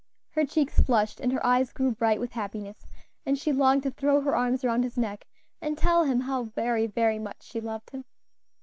her cheeks flushed, and her eyes grew bright with happiness, and she longed to throw her arms around his neck, and tell him how very, very much she loved him.